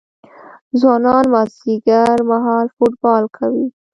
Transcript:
ځوانان مازدیګر مهال فوټبال کوي.